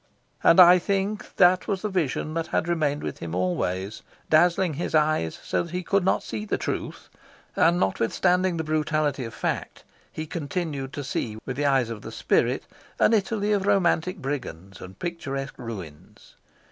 And I think that was the vision that had remained with him always, dazzling his eyes so that he could not see the truth; and notwithstanding the brutality of fact, he continued to see with the eyes of the spirit an Italy of romantic brigands and picturesque ruins.